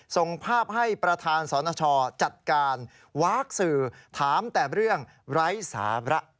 ส่งภาพให้ประธานสนชจัดการวาคสื่อถามแต่เรื่องไร้สาระ